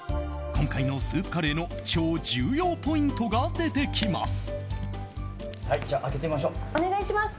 今回のスープカレーの超重要ポイントが出てきます。